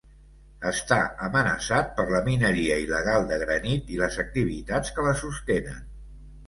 Està amenaçat per la mineria il·legal de granit i les activitats que la sostenen.